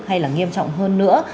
hay nghiêm trọng hơn nữa